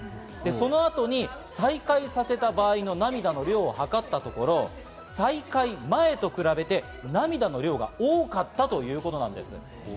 その後に再会させた場合の涙の量を測ったところ、再会前と比べて涙の量が多かったということなんです。